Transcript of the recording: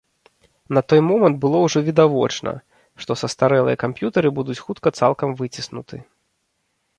На той момант было ўжо відавочна, што састарэлыя камп'ютары будуць хутка цалкам выціснуты.